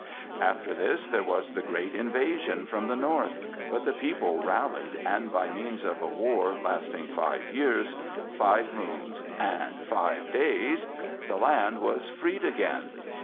After this there was the Great Invasion from the north, but the people rallied and by means of a war lasting five years, five moons and five days the land was freed again.